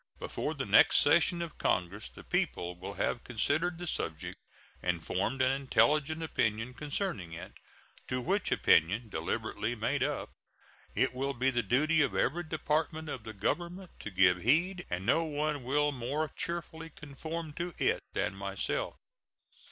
Before the next session of Congress the people will have considered the subject and formed an intelligent opinion concerning it, to which opinion, deliberately made up, it will be the duty of every department of the Government to give heed; and no one will more cheerfully conform to it than myself.